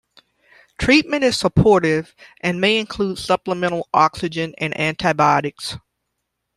Treatment is supportive and may include supplemental oxygen and antibiotics.